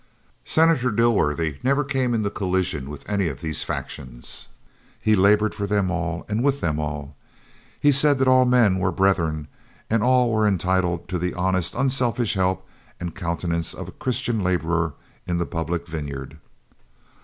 Senator Dilworthy never came into collision with any of these factions. He labored for them all and with them all. He said that all men were brethren and all were entitled to the honest unselfish help and countenance of a Christian laborer in the public vineyard.